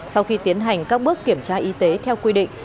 sau khi tiến hành các bước kiểm tra y tế theo quy định